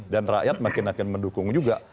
dan rakyat makin makin mendukung juga